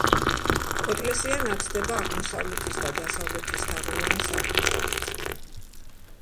ეკლესია ნათდება აღმოსავლეთის და დასავლეთის თაღოვანი სარკმლებით.